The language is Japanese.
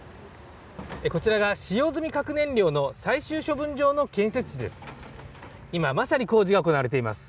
こちらが使用済み核燃料の最終処分場の建設地です。